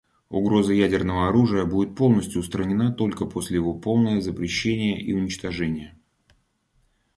Угроза ядерного оружия будет полностью устранена только после его полного запрещения и уничтожения.